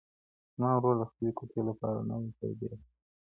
زما ورور د خپلې کوټې لپاره نوي پردې اخیستې دي.